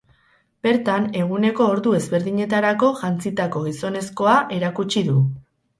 Bertan, eguneko ordu ezberdinetarako jantzitako gizonezkoa erakutsi du.